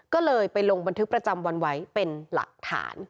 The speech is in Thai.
ก็เลยไปลงบันทึกประจำวันไว้เป็นหลักฐาน